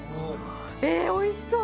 おいしそう！